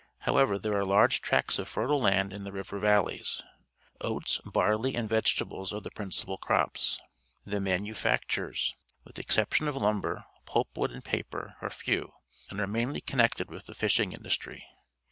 However, there are large tracts of fertile land in the river valleys. 0«<^g, barley, and vegetables, are the principal crops. The manufactures, with the exception of An Iceberg, ofi the Coast of Newfoundland lumber , pulp wo od, and pai:)er,are few, and are mainly connected with the fishing industry.